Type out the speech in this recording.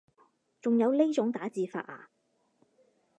仲有呢種打字法啊